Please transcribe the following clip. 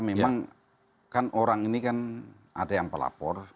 memang kan orang ini kan ada yang pelapor